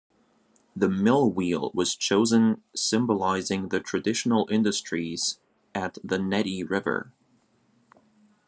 The mill wheel was chosen symbolizing the traditional industries at the Nette River.